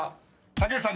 ［竹内さん